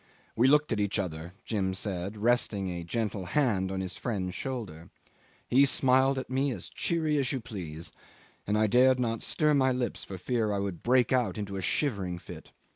"We looked at each other," Jim said, resting a gentle hand on his friend's shoulder. "He smiled at me as cheery as you please, and I dared not stir my lips for fear I would break out into a shivering fit.